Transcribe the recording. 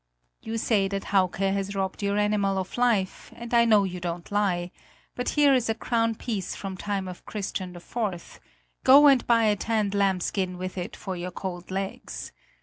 "You say that Hauke has robbed your animal of life, and I know you don't lie; but here is a crown piece from the time of Christian IV; go and buy a tanned lambskin with it for your cold legs!